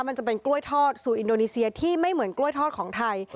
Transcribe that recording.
มันจะเป็นกล้วยทอดสู่อินโดนีเซียที่ไม่เหมือนกล้วยทอดของไทย